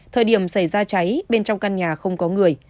thời điểm xảy ra cháy bên trong căn nhà không có người